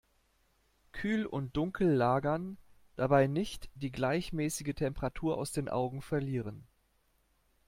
Kühl und dunkel lagern, dabei nicht die gleichmäßige Temperatur aus den Augen verlieren.